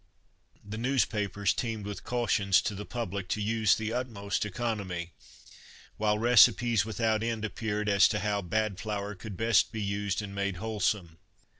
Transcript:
The newspapers teemed with cautions to the public to use the utmost economy, while recipes without end appeared as to how bad flour could be best used and made wholesome.